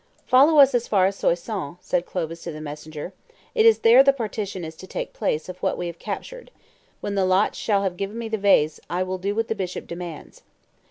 "Follow us as far as Soissons," said Clovis to the messenger; "it is there the partition is to take place of what we have captured: when the lots shall have given me the vase, I will do what the bishop demands."